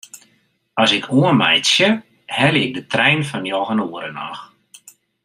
As ik oanmeitsje helje ik de trein fan njoggen oere noch.